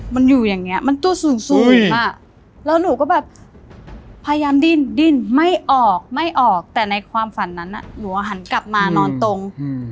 มันอยู่อย่างเงี้ยมันตัวสูงอ่ะแล้วหนูก็แบบพยายามดิ้นดิ้นไม่ออกไม่ออกแต่ในความฝันนั้นน่ะหนูหันกลับมานอนตรง